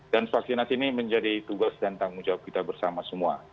dan vaksinasi ini menjadi tugas dan tanggung jawab kita bersama semua